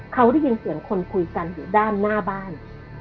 เขาได้ยินเสียงคนคุยกันอยู่ด้านหน้าบ้าน